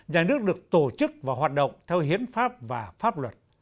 nhà nước được tổ chức và hoạt động theo hiến pháp và pháp luật